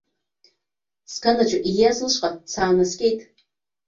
Сганаҿы ииаз лышҟа саанаскьеит.